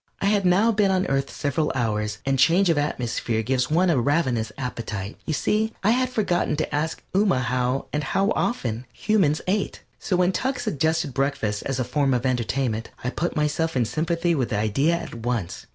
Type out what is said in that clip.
I had now been on Earth several hours, and change of atmosphere gives one a ravenous appetite. You see, I had forgotten to ask Ooma how, and how often, humans ate, so when Tuck suggested breakfast as a form of entertainment I put myself in sympathy with the idea at once.